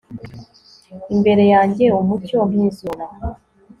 Imbere yanjyeUmucyo nkizuba